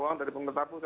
uang dari pengguna tapu